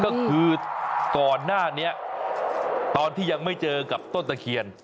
ก็คือก่อนหน้านี้ตอนที่ยังไม่เจอกับต้นตะเคียน